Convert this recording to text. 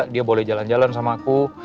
dia boleh jalan jalan sama aku